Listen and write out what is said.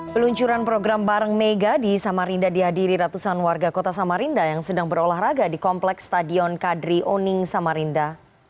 peluncuran program bareng mega di samarinda dihadiri ratusan warga kota samarinda yang sedang berolahraga di kompleks stadion kadri oning samarinda